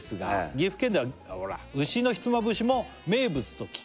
「岐阜県では牛のひつまぶしも名物と聞き」